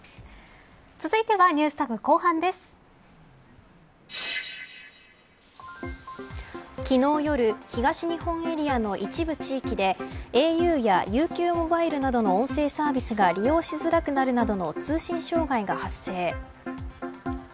続いては昨日、夜東日本エリアの一部地域でａｕやＵＱモバイルなどの音声サービスが利用しづらくなるなどの通信障害が発生。